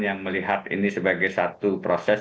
yang melihat ini sebagai satu proses